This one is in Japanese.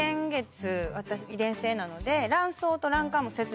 私遺伝性なので。